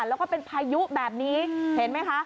แล้วก็เป็นพายุแบบนี้เห็นไหมคะ